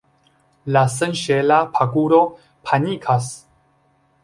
La senŝela paguro panikas.